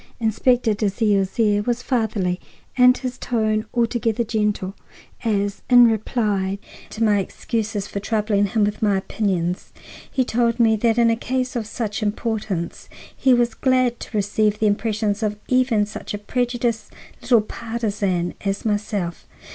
Inspector Dalzell's air was fatherly and his tone altogether gentle as, in reply to my excuses for troubling him with my opinions, he told me that in a case of such importance he was glad to receive the impressions even of such a prejudiced little partizan as myself.